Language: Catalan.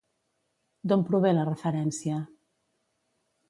D'on prové la referència?